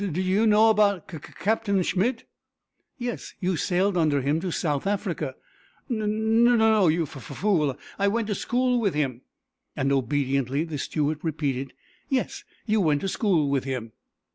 "D do you know about C Captain Schmidt?" "Yes, you sailed under him to South Africa." "N no, you f fool; I went to school with him," and obediently the steward repeated: "Yes, you went to school with him."